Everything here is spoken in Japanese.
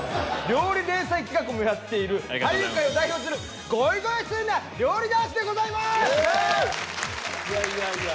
料理連載企画もやっている俳優界を代表するゴイゴイスーな料理男子でございます。